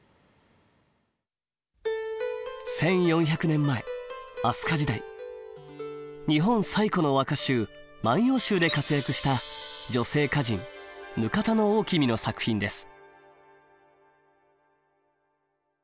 １，４００年前飛鳥時代日本最古の和歌集「万葉集」で活躍した女性歌人額田王の作品です。